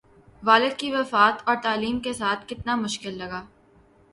والد کی وفات اور تعلیم کے ساتھ کتنا مشکل لگا